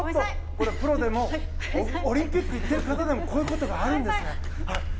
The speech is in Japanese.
これはプロでもオリンピック行ってる方でもこんなことあるんですね。